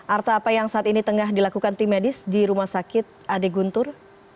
arta apa yang saat ini tengah dilakukan tim medis di rumah sakit ade guntur